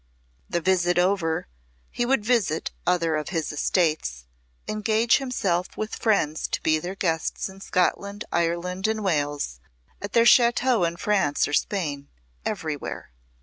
The visit over, he would visit other of his estates, engage himself with friends to be their guests in Scotland, Ireland, and Wales, at their châteaux in France or Spain everywhere.